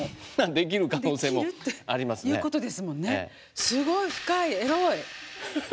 できるっていうことですもんね。